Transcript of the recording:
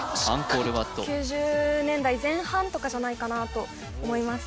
９０年代前半とかじゃないかと思います